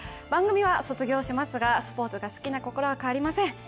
番組は卒業しますが、スポーツが好きな心は変わりません。